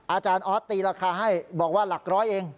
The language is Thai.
อาจารย์ออสตีราคาให้บอกว่าหลักร้อยเอง